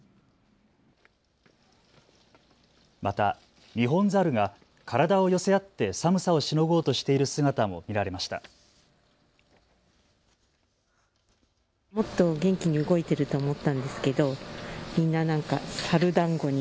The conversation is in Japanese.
またニホンザルが体を寄せ合って寒さをしのごうとしている姿も見られました。